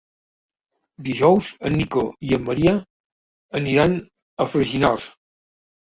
Dijous en Nico i en Maria aniran a Freginals.